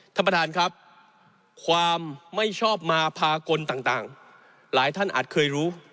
ท่านประธานครับความไม่ชอบมาพากลต่างหลายท่านอาจเคยรู้